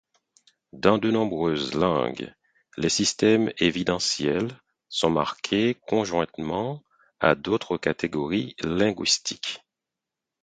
Dans de nombreuses langues, les systèmes évidentiels sont marqués conjointement à d'autres catégories linguistiques.